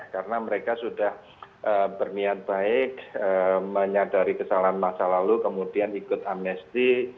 karena mereka sudah berniat baik menyadari kesalahan masa lalu kemudian ikut amnesti